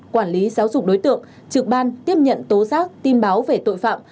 quản lý giáo dục đối tượng trực ban tiếp nhận tố giác tin báo về tội phạm